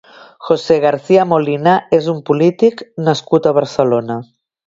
José García Molina és un polític nascut a Barcelona.